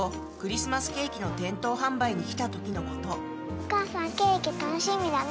お母さんケーキ楽しみだね。